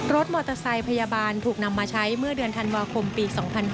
รถมอเตอร์ไซค์พยาบาลถูกนำมาใช้เมื่อเดือนธันวาคมปี๒๕๕๙